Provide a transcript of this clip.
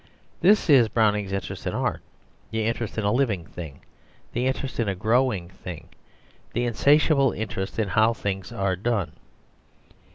This is Browning's interest in art, the interest in a living thing, the interest in a growing thing, the insatiable interest in how things are done.